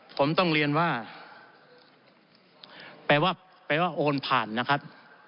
ผมต้องเรียนว่าแปลว่าโอนผ่านนะครับ